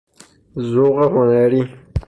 ذوق هنری